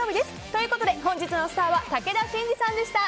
ということで本日のスターは武田真治さんでした。